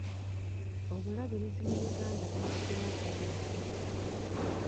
Obulabirizi mu Uganda bumazeewo bbanga ki?